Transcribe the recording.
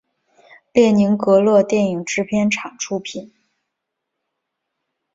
列宁格勒电影制片厂出品。